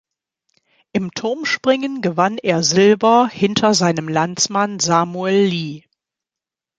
Im Turmspringen gewann er Silber hinter seinem Landsmann Samuel Lee.